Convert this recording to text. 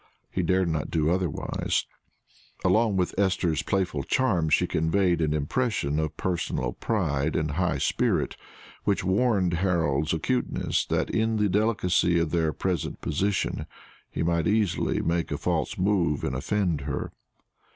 He dared not do otherwise. Along with Esther's playful charm she conveyed an impression of personal pride and high spirit which warned Harold's acuteness that in the delicacy of their present position he might easily make a false move and offend her.